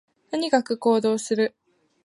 とにかく行動する